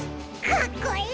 かっこいい！